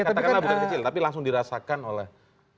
katakanlah bukan kecil tapi langsung dirasakan oleh